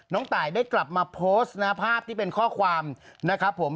น้องตายได้กลับมาโพสต์ภาพที่เป็นข้อความนะครับผม